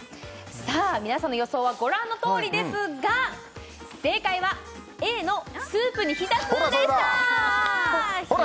皆さんの予想はご覧のとおりですが正解はＡのスープに浸すでしたほら！